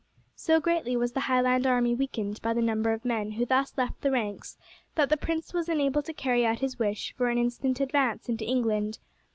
So greatly was the Highland army weakened by the number of men who thus left the ranks that the prince was unable to carry out his wish for an instant advance into England.